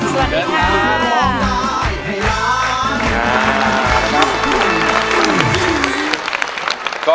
สวัสดีค่ะ